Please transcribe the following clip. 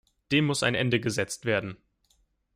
Dem muss ein Ende gesetzt werden.